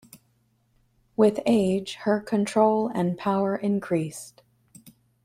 With age her control and power increased.